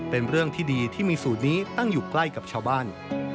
เป็นเรื่องที่ดีที่มีสูตรนี้ตั้งอยู่ใกล้กับชาวบ้าน